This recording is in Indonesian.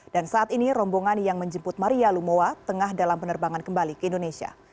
dan saat ini rombongan yang menjemput maria lumowa tengah dalam penerbangan kembali ke indonesia